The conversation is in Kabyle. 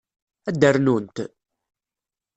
Ad rnunt?